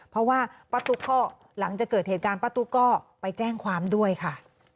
เพราะว่าป้าตุ๊กก็หลังจากเกิดเหตุการณ์ป้าตุ๊กก็ไปแจ้งความด้วยค่ะ